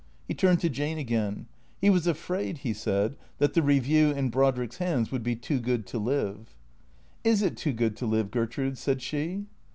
He turned to Jane again. He was afraid, he said, that the Eeview, in Brod rick's hands, would be too good to live. " Is it too good to live, Gertrude ?" said she.